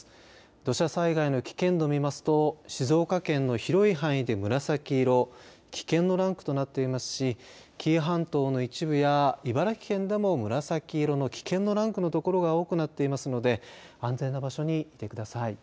土砂災害の危険度を見ますと静岡県の広い範囲で紫色危険のランクとなっていますし紀伊半島の一部や茨城県でも紫色の危険のランクの所が多くなっていますので安全な場所にいてください。